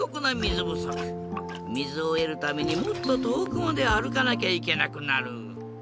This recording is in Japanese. みずをえるためにもっととおくまであるかなきゃいけなくなる。